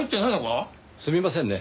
すみませんね。